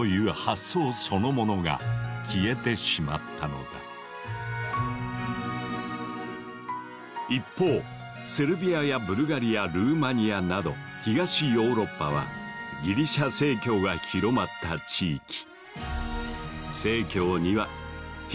これにより一方セルビアやブルガリアルーマニアなど東ヨーロッパはギリシャ正教が広まった地域。